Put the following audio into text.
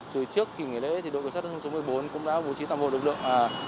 từ trước kỳ nghỉ lễ đội cảnh sát giao thông số một mươi bốn cũng đã bố trí tầm bộ lực lượng